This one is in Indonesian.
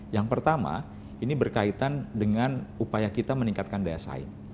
yang pertama ini berkaitan dengan upaya kita meningkatkan daya saing